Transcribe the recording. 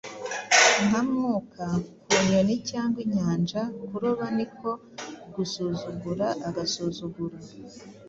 Nka mwuka ku nyoni cyangwa inyanja kuroba niko gusuzugura agasuzuguro.